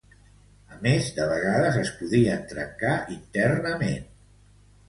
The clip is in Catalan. A més, de vegades es podien trencar internament.